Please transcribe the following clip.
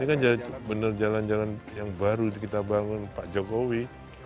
ini kan benar jalan jalan yang baru kita bangun pak jokowi